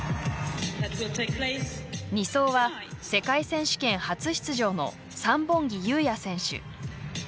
２走は世界選手権初出場の三本木優也選手。